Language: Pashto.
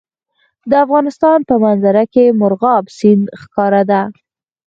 د افغانستان په منظره کې مورغاب سیند ښکاره ده.